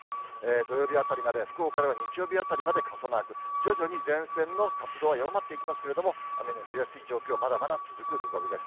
土曜日あたりまで、福岡では日曜日あたりまで傘マーク、徐々に前線の活動が弱まっていきますけれども、雨の降りやすい状況、まだまだ続く見込みです。